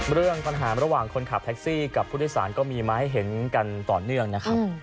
เรื่องปัญหาระหว่างคนขับแท็กซี่กับผู้โดยสารก็มีมาให้เห็นกันต่อเนื่องนะครับ